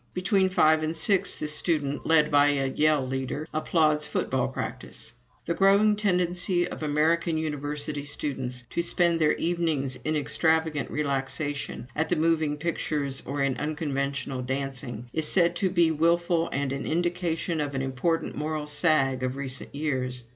Between five and six, this student, led by a yell leader, applauds football practice. The growing tendency of American university students to spend their evenings in extravagant relaxation, at the moving pictures, or in unconventional dancing, is said to be willful and an indication of an important moral sag of recent years.